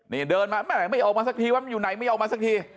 นี่เดินมาแม่ไม่ออกมาสักทีว่ามันอยู่ไหนไม่ออกมาสักที